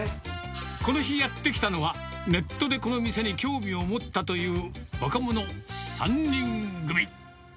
この日、やって来たのは、ネットでこの店に興味を持ったという若者３人組。